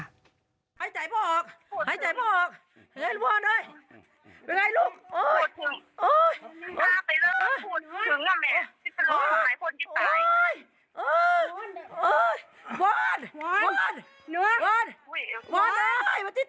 ให้ใจปวดออกให้ใจปวดออก